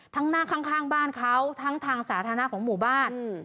ทั้งหน้าข้างข้างบ้านเขาทั้งทางสาธารณะของหมู่บ้านอืม